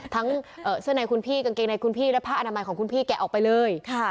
ทั้งเสื้อในคุณพี่กางเกงในคุณพี่และผ้าอนามัยของคุณพี่แกะออกไปเลย